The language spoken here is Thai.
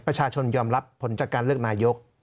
ประชาชนยอมรับผลจากการเลือกนายก